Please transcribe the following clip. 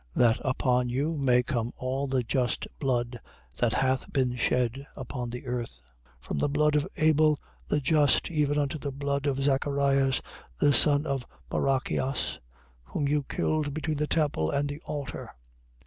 23:35. That upon you may come all the just blood that hath been shed upon the earth, from the blood of Abel the just, even unto the blood of Zacharias the son of Barachias, whom you killed between the temple and the altar.